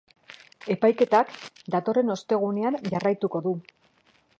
Epaiketak datorren ostegunean jarraituko du.